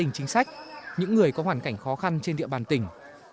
chính sách những người có hoàn cảnh khó khăn trên địa bàn tỉnh